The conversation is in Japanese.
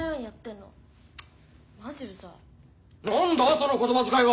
その言葉遣いは！